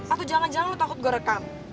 atau jangan jangan lu takut gue rekam